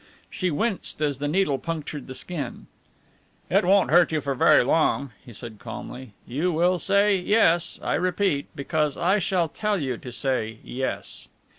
'" She winced as the needle punctured the skin. "It won't hurt you for very long," he said calmly. "You will say 'Yes,' I repeat, because I shall tell you to say 'Yes.'"